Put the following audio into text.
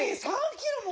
３キロも？